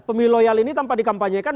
pemilu loyal ini tanpa dikampanyekan